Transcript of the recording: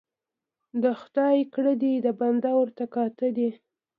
ـ د خداى کړه دي د بنده ورته کاته دي.